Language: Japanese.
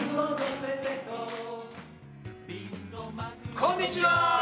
こんにちは。